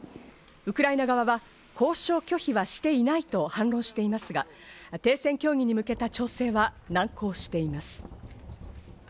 ウクライナ側は交渉拒否はしていないと反論していますが、停戦協議に向けた調整は難航しています。